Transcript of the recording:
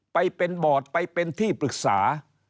ไปเป็นบอร์ดไปเป็นที่ปรึกษา